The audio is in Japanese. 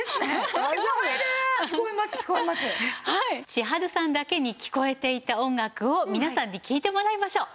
千春さんだけに聞こえていた音楽を皆さんに聞いてもらいましょう。